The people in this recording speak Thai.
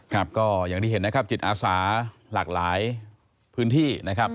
ครับก็อย่างที่เห็นนะครับจิตอาสาหลากหลายพื้นที่นะครับ